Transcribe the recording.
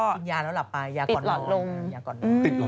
กินยานอนหลับไปยาก่อนลดลมยาก่อนลดลมอืม